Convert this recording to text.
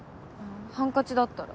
ハンカチだったら。